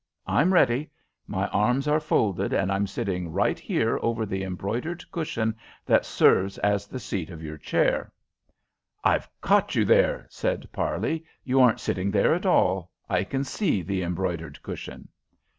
I'm ready. My arms are folded, and I'm sitting right here over the embroidered cushion that serves as the seat of your chair." "I've caught you, there," said Parley. "You aren't sitting there at all. I can see the embroidered cushion."